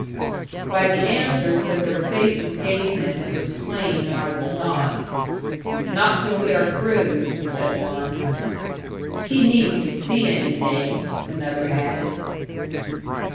By the answers that their faces gave him it was plain that I was not. "Not till we are through," said one. "He needn't to see anything,"' another added.